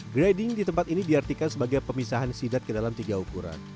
grading di tempat ini diartikan sebagai pemisahan sidat ke dalam tiga ukuran